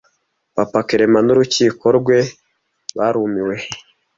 Papa Clement n'urukiko rwe "barumiwe"